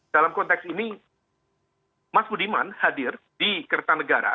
dalam konteks ini mas budiman hadir di kerta negara